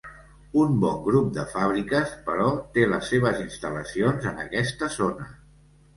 Un bon grup de fàbriques, però, té les seves instal·lacions en aquesta zona.